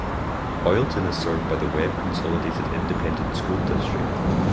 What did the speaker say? Oilton is served by the Webb Consolidated Independent School District.